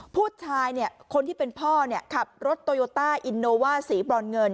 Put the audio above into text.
ผู้ชายคนที่เป็นพ่อขับรถโตโยต้าอินโนว่าสีบรอนเงิน